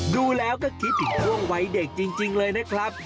ดูแล้วก็คิดถึงช่วงวัยเด็กจริงเลยนะครับ